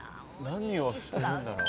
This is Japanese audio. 何をしてるんだろう？